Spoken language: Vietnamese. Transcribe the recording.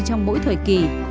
trong mỗi thời kỳ